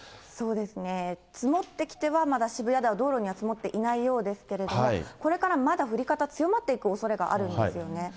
そうですね、積もってきては、まだ渋谷では道路に積もってきてないようですが、これからまだ降り方、強まっていくおそれがあるんですよね。